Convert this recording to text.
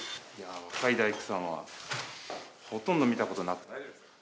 若い大工さんはほとんど見たことなくて。